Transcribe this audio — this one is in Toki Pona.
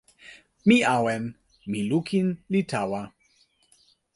mi awen. mi lukin li tawa.